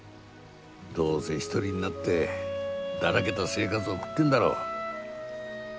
どうせ一人になってだらけた生活を送ってるんだろ。